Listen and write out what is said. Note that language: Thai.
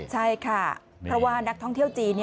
ใช่ค่ะเพราะว่านักท่องเที่ยวจีน